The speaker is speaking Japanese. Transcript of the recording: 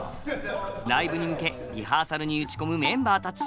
ライブに向けリハーサルに打ち込むメンバーたち。